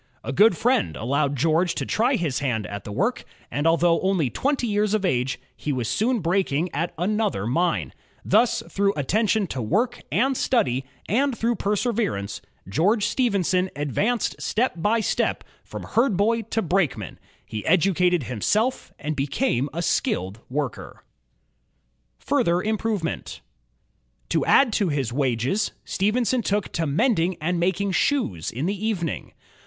A good friend allowed George to try his hand at the work, and although only twenty years of age, he was soon braking at another mine. 54 INVENTIONS OF STEAM AND ELECTRIC POWER Thus, through attention to work and study, and through perseverance, George Stephenson advanced step by step from herdboy to brakeman; he educated himself, and became a skilled worker. Further Improvement To add to his wages, Stephenson took to mending and making shoes in the evening.